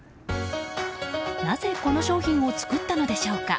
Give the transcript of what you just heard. なぜ、この商品を作ったのでしょうか。